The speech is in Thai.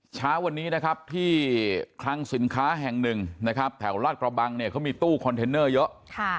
ช้าวันนี้ที่คลังสินค้าแห่งหนึ่งแถวราชกระบังเขามีตู้คอนเทนเนอร์เยอะ